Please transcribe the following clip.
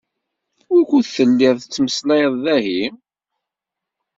Wukud telliḍ tettmeslayeḍ dahi?